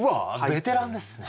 ベテランですね。